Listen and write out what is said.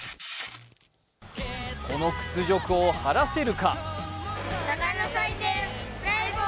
この屈辱を晴らせるか。